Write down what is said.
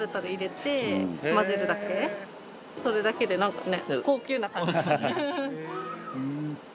それだけでなんかね。